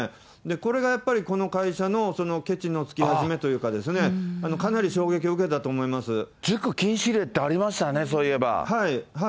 これがやっぱり、この会社のけちのつき始めといいますかですね、かなり衝撃を受け塾禁止令ってありましたね、そういえば。